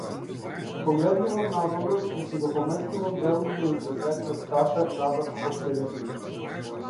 Погледнувам надолу, и си го поместувам делумно излезениот ташак назад во боксериците.